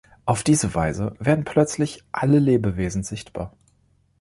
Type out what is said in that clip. Auf diese Weise werden plötzlich alle Lebewesen sichtbar.